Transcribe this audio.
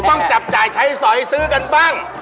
ต้องจับจ่ายใช้สอยซื้อกันบ้าง